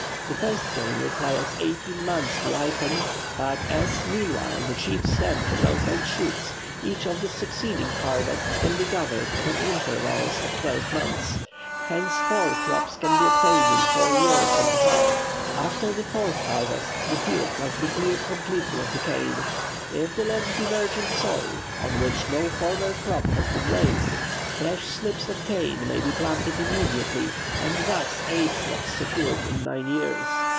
The first cane requires eighteen months to ripen; but as, meanwhile, the chief stem throws out shoots, each of the succeeding harvests can be gathered in at intervals of twelve months: hence four crops can be obtained in four years and a half. After the fourth harvest, the field must be cleared completely of the cane. If the land be virgin soil, on which no former crop has been raised, fresh slips of cane may be planted immediately, and thus eight crops secured in nine years.